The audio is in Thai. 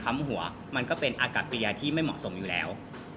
หัวมันก็เป็นอากาศยาที่ไม่เหมาะสมอยู่แล้ว